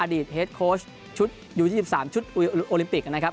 เฮดโค้ชชุดยู๒๓ชุดโอลิมปิกนะครับ